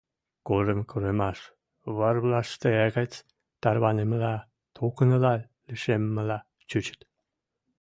курым-курымаш вӓрвлӓштӹ гӹц тӓрвӓнӹмӹлӓ, токынала лишӹлеммӹлӓ чучыт.